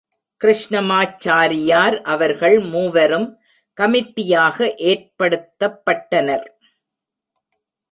கிருஷ்ணமாச்சாரியார் அவர்கள் மூவரும் கமிட்டியாக ஏற்படுத்தப்பட்டனர்.